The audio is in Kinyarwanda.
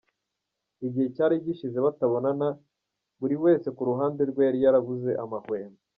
Igihe cyari gishize batabonana, buri wese ku ruhande rwe yari yarabuze amahwemo.